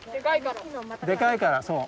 でかいからそう。